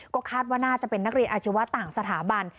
ก็คาดว่าน่าจะเป็นนักเรียนอาชีวะต่างสถาบัน